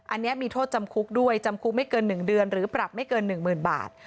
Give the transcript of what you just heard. อันนี้มีโทษจำคุกด้วยจำคุกไม่เกิน๑เดือนหรือปรับไม่เกิน๑๐๐๐บาท